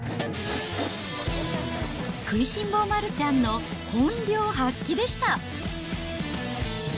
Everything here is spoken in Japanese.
食いしん坊丸ちゃんの本領発揮でした。